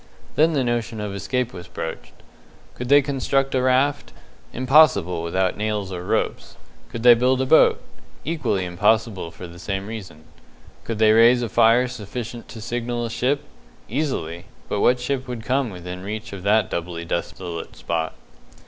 Then the notion of escape was broached. Could they construct a raft? Impossible without nails or ropes. Could they build a boat? Equally impossible for the same reason. Could they raise a fire sufficient to signal a ship? Easily; but what ship would come within reach of that doubly desolate spot?